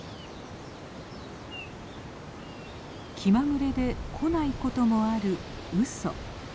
気まぐれで来ないこともあるウソ。